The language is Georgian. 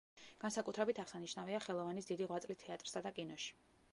განსაკუთრებით აღსანიშნავია ხელოვანის დიდი ღვაწლი თეატრსა და კინოში.